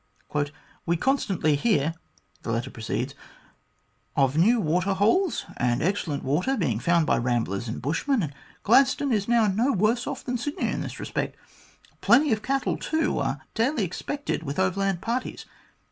" We constantly hear," the letter proceeds, " of new water holes and excellent water being found by ramblers and bushmen, and Gladstone is now no worse off than Sydney in this respect. Plenty of cattle, too, are daily expected with the overland parties.